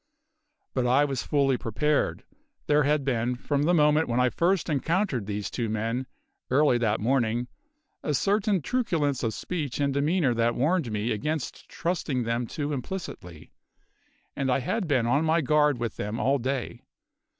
But I was fully prepared. There had been, from the moment when I first encountered these two men, early that morning, a certain truculence of speech and demeanour that warned me against trusting them too implicitly, and I had been on my guard with them all day.